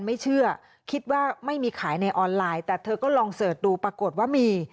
ไม่เชื่อคิดว่าไม่มีขายในออนไลน์แต่เธอก็ลองเสิร์ชดูปรากฏว่ามี